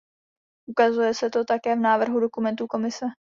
Ukazuje se to také v návrhu dokumentů Komise.